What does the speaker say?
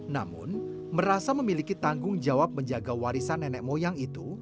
namun merasa memiliki tanggung jawab menjaga warisan nenek moyang itu